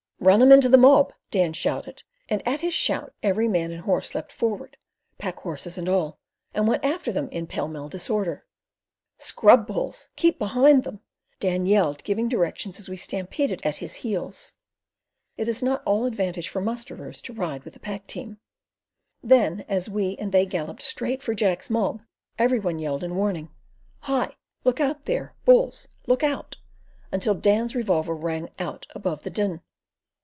"Run 'em into the mob," Dan shouted; and at his shout every man and horse leapt forward—pack horses and all—and went after them in pell mell disorder. "Scrub bulls! Keep behind them!" Dan yelled giving directions as we stampeded at his heels (it is not all advantage for musterers to ride with the pack team) then as we and they galloped straight for Jack's mob every one yelled in warning: "Hi! look out there! Bulls! Look out," until Dan's revolver rang out above the din.